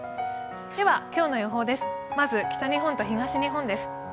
今日の予報です、まず北日本と東日本です。